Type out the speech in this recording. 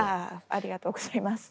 ありがとうございます。